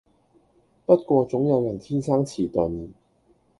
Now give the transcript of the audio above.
不過總有人天生遲鈍